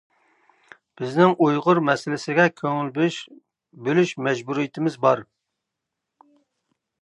بىزنىڭ ئۇيغۇر مەسىلىسىگە كۆڭۈل بۆلۈش مەجبۇرىيىتىمىز بار.